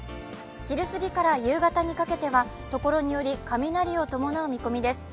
昼すぎから夕方にかけてはところにより雷を伴う見込みです。